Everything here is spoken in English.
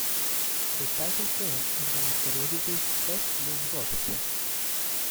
The title poem is one of Rossetti's best known works.